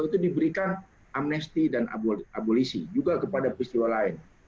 itu diberikan amnesti dan abolisi juga kepada peristiwa lain